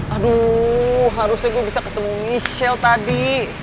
aduh harusnya gue bisa ketemu michelle tadi